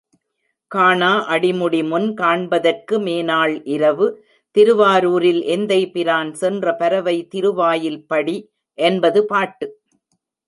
காணா அடிமுடிமுன் காண்பதற்கு மேனாள் இரவு திருவாரூரில் எந்தைபிரான் சென்ற பரவை திருவாயில் படி என்பது பாட்டு.